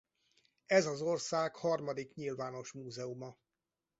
Ez az ország harmadik nyilvános múzeuma.